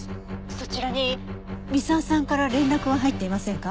そちらに三沢さんから連絡は入っていませんか？